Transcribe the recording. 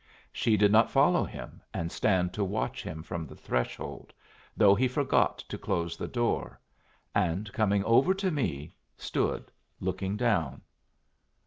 She did not follow him and stand to watch him from the threshold, though he forgot to close the door, and, coming over to me, stood looking down.